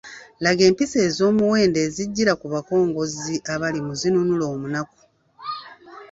Laga empisa ez’omuwendo ezijjira ku bakongozzi abali mu “Zinunula omunaku”.